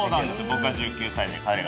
僕が１９歳で彼が。